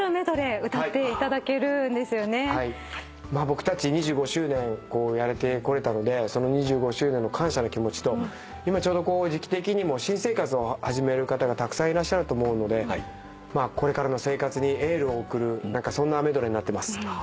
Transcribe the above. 僕たち２５周年やれてこれたのでその２５周年の感謝の気持ちと今ちょうど時期的にも新生活を始める方がたくさんいらっしゃると思うのでこれからの生活にエールを送るそんなメドレーになってます。